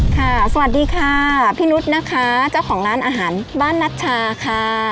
สวัสดีค่ะพี่นุษย์นะคะเจ้าของร้านอาหารบ้านนัชชาค่ะ